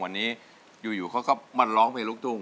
วันนี้อยู่เขาก็มาร้องเพลงลูกทุ่ง